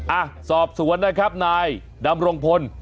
อ่ะสอบสวนนะครับนายดำรงพล